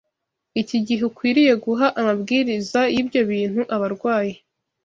iki gihe ukwiriye guha amabwiriza y’ibyo bintu abarwayi